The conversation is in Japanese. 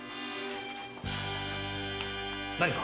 何か？